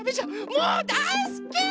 もうだいすき！